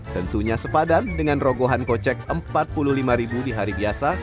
tentunya sepadan dengan rogohan kocek rp empat puluh lima di hari biasa